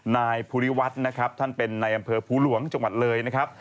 นายภูริวัฒน์นะครับท่านเป็นในอำเภอภูหลวงจังหวัดเลยนะครับ